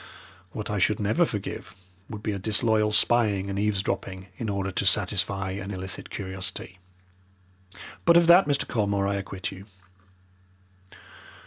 What I should never forgive would be a disloyal spying and eavesdropping in order to satisfy an illicit curiosity. But of that, Mr. Colmore, I acquit you.